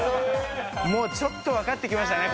もうちょっと分かってきましたね